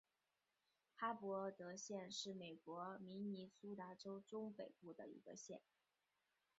哈伯德县是美国明尼苏达州中北部的一个县。